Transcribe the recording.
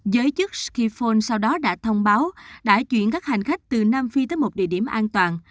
giới chức skiphone sau đó đã thông báo đã chuyển các hành khách từ nam phi tới một địa điểm an toàn